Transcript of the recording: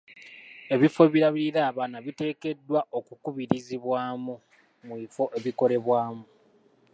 Ebifo ebirabirira abaana biteekeddwa okukubirizibwa mu bifo ebikolebwamu .